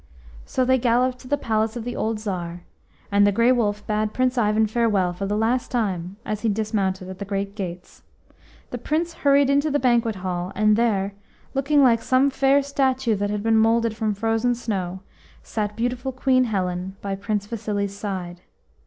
So they galloped to the palace of the old Tsar, and the Grey Wolf bade Prince Ivan farewell for the last time as he dismounted at the great gates. The Prince hurried into the banquet hall, and there, looking like some fair statue that had been moulded from frozen snow, sat beautiful Queen Helen by Prince Vasili's side.